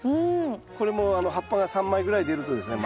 これも葉っぱが３枚ぐらい出るとですね